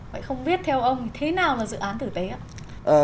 vậy không biết theo ông thì thế nào là dự án tử tế ạ